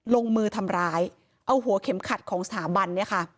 ลงมือทำร้ายเอาหัวเข็มขัดของสถาบันเนี่ยค่ะ